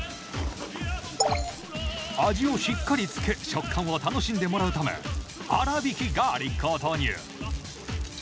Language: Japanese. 味をしっかり付け食感を楽しんでもらうため粗びきガーリックを投入